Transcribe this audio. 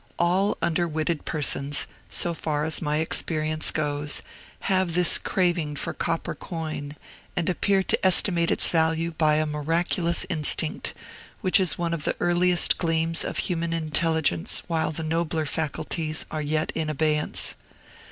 All under witted persons, so far as my experience goes, have this craving for copper coin, and appear to estimate its value by a miraculous instinct, which is one of the earliest gleams of human intelligence while the nobler faculties are yet in abeyance.